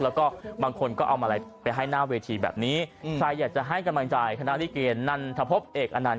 แล้วก็บางคนก็เอามาลัยไปให้หน้าเวทีแบบนี้ใครอยากจะให้กำลังใจคณะลิเกนนันทพบเอกอนันต